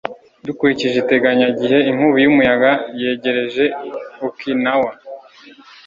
dukurikije iteganyagihe, inkubi y'umuyaga yegereje okinawa